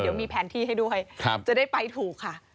เดี๋ยวมีแผนที่ให้ด้วยจะได้ไปถูกค่ะ